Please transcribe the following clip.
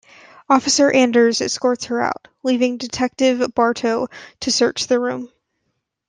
Officer Anders escorts her out, leaving Detective Bartow to search the room.